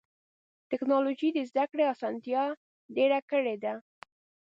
ټکنالوجي د زدهکړې اسانتیا ډېره کړې ده.